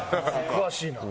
詳しいな。